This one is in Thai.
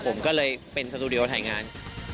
ผมก็เลยเป็นสตูดิโอถ่ายงาน